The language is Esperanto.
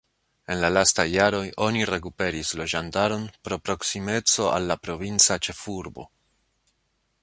En la lastaj jaroj oni rekuperis loĝantaron pro proksimeco al la provinca ĉefurbo.